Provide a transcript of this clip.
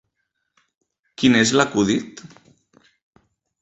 Quin és l'acudit?